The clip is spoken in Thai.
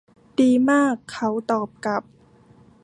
ดีมาก เขาตอบกลับ